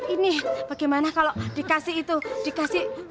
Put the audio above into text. ini bagaimana kalau dikasih itu dikasih